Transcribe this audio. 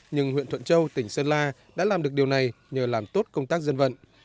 nhưng huyện thuận châu tỉnh sơn la đã làm được điều này nhờ làm tốt công tác dân vận